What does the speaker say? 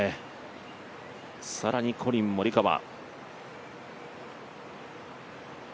更にコリン・モリカワ。